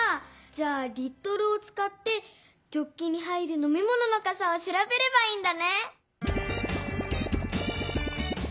じゃあ「リットル」をつかってジョッキに入るのみものの「かさ」をしらべればいいんだね！